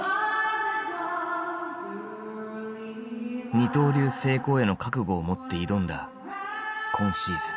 二刀流成功への覚悟を持って挑んだ今シーズン。